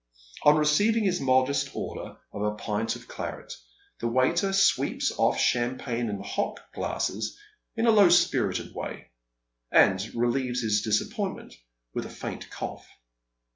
On receiving his modest order of a pint of claret, the waiter sweeps ofE champagne and hock glasses in a low spirited way, and raMeves his disappointment with a faint cough.